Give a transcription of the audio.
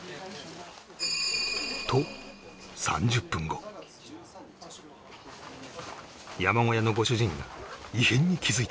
と山小屋のご主人が異変に気づいた